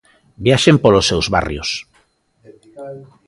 Viaxen polos seus barrios.